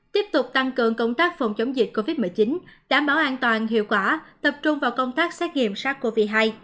tiếp tục tăng cường công tác phòng chống dịch covid một mươi chín đảm bảo an toàn hiệu quả tập trung vào công tác xét nghiệm sars cov hai